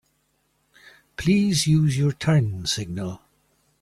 Please use your turn signal.